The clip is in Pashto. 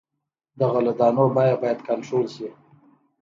د غلو دانو بیه باید کنټرول شي.